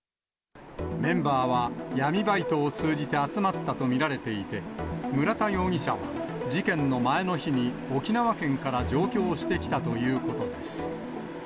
メンバーは闇バイトを通じて集まったと見られていて、村田容疑者は事件の前の日に沖縄県から上京してきたということです。